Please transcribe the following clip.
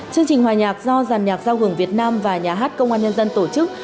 chương trình hòa nhạc do giàn nhạc giao hưởng việt nam và nhà hát công an nhân dân tổ chức